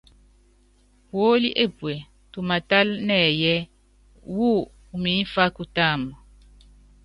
Puólí epú tumaátala nɛyɛ́, wú umimfá kutáama?